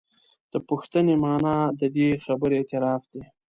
د پوښتنې معنا د دې خبرې اعتراف دی.